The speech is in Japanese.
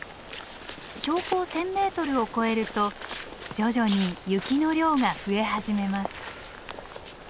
標高１，０００ｍを超えると徐々に雪の量が増え始めます。